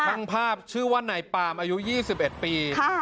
ช่างภาพชื่อว่านายปามอายุ๒๑ปี